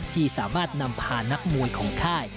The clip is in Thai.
ที่สามารถนำพานักมวยของค่าย